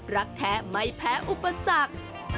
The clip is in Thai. รักแท้ไม่แพ้อุปสรรค